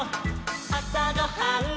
「あさごはん」「」